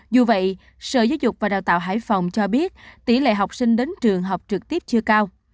dù vậy sở giáo dục và đào tạo hải phòng cho biết tỷ lệ học sinh đến trường học trực tiếp chưa cao